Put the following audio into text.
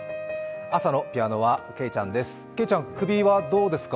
朝のピアノはけいちゃんです。